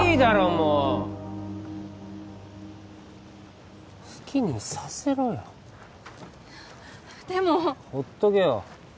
もう好きにさせろよでもほっとけよ